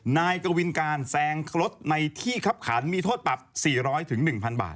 นายกวินการแซงรถในที่คับขันมีโทษปรับ๔๐๐๑๐๐บาท